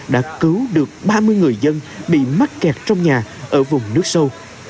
đã cứu được ba mươi người dân bị mắc kẹt trong nhà ở vùng nước sâu